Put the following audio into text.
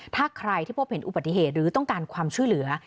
ถ้าใครที่พบเห็นอุบัติเหตุหรือต้องการความช่วยเหลือ